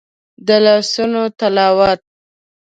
د لاسونو تلاوت